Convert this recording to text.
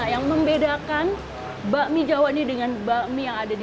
yang membedakan bakmi jawa ini dengan bakmi yang ada di